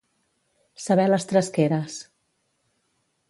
Saber les tresqueres.